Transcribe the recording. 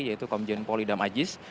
yaitu komjen poli damajis